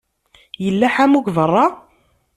Yella ḥamu deg beṛṛa?